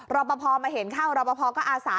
รับประพอมาเห็นเข้ารับประพอก็อาศา